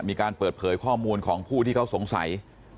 มีการเปิดเผยข้อมูลของผู้ที่เขาสงสัย